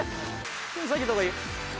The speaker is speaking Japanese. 手下げた方がいい？